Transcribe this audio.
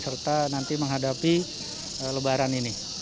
serta nanti menghadapi lebaran ini